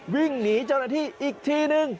วิ่งหนีเจ้าหน้าที่อีกทีนึง